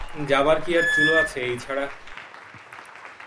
যাবার কি আর চুলো আছে এই ছাড়া?